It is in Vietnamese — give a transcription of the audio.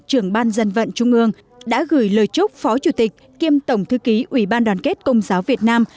trưởng ban dân vận trung ương đã gửi lời chúc phó chủ tịch kiêm tổng thư ký ủy ban đoàn kết công giáo việt nam